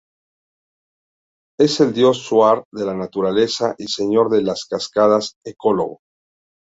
Es el dios shuar de la naturaleza y señor de las cascadas, ecólogo.